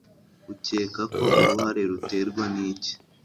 Ucyekako Uruhara ruterwa n'iki